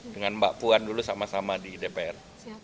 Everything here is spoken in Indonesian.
dengan mbak puan dulu sama sama di dpr